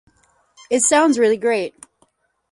It sounds really great.